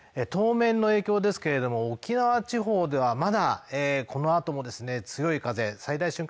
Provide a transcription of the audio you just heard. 当面の影響ですけれども沖縄地方ではまだこのあともですね強い風最大瞬間